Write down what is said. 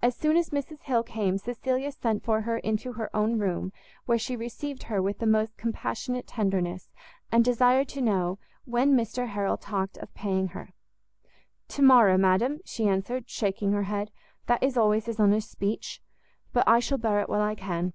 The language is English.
As soon as Mrs Hill came, Cecilia sent for her into her own room, where she received her with the most compassionate tenderness, and desired to know when Mr Harrel talked of paying her? "To morrow, madam," she answered, shaking her head, "that is always his honour's speech: but I shall bear it while I can.